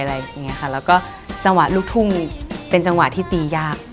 แล้วก็จังหวะลูกทุ่งเป็นจังหวะที่ตียาก